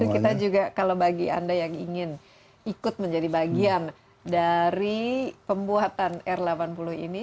kita juga kalau bagi anda yang ingin ikut menjadi bagian dari pembuatan r delapan puluh ini